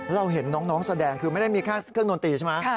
เราเห็นน้องแสดงคือไม่ได้มีแค่เครื่องดนตรีใช่ไหม